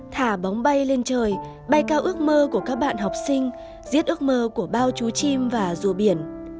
thả bóng bay lên trời bay cao ước mơ của các bạn học sinh giết ước mơ của bao chú chim và rùa biển